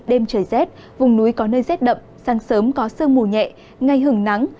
đêm trời rét vùng núi có nơi rét đậm sáng sớm có sương mù nhẹ ngay hưởng nắng